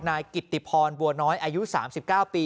นายกิติพรบัวน้อยอายุ๓๙ปี